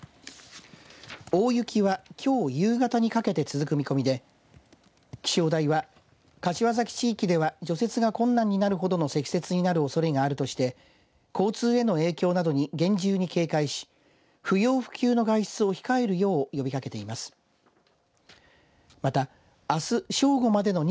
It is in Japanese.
大雪はきょう夕方にかけて続く見込みで気象台は柏崎地域では除雪が困難になるほどの積雪なるおそれがあるとして交通への影響などに厳重に警戒し不要不急の外出を控えるよう呼びかけています。